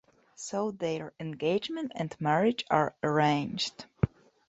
So their engagement and marriage are arranged.